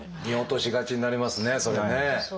見落としがちになりますねそれね。